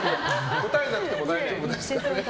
答えなくても大丈夫ですからね。